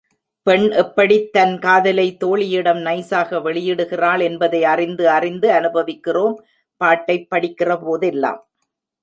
பெண் எப்படித்தன் காதலைத் தோழியிடம் நைஸாக வெளியிடுகிறாள் என்பதை அறிந்து அறிந்து அனுபவிக்கிறோம் பாட்டைப் படிக்கிறபோதெல்லாம்.